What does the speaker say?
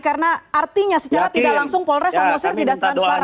karena artinya secara tidak langsung polres samosir tidak transparan